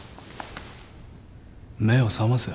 目を覚ませ。